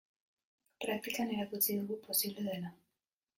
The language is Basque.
Praktikan erakutsi dugu posible dela.